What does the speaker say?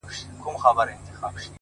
د زړه بوټى مي دی شناخته د قبرونو ـ